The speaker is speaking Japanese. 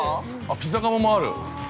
◆ピザ窯もある。